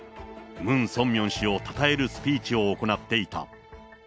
ムン・ソンミョン氏をたたえるスピーチを行っていた。